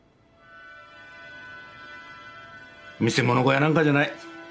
見せ物小屋なんかじゃない。